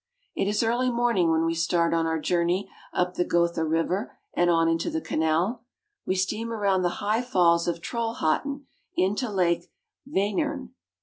It is early morning when we start on our journey up the Gotha River and on into the canal. We steam around the Falls of Trollhatten. high falls of Trollhatten into Lake Wenern (va'nern).